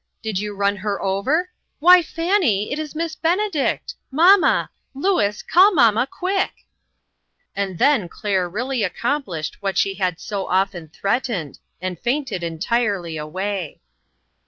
Did you run over her? Why, Fannie, it is Miss Benedict I Mamma ! Louis, call mamma, quick !" And then Claire really accomplished what she had so often threatened, and fainted en tirely away.